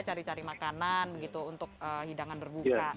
cari cari makanan begitu untuk hidangan berbuka